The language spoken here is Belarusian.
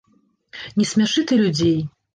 Не смяшы ты людзей.